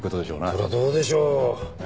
それはどうでしょう？